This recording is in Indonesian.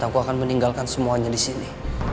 aku akan meninggalkan semuanya disini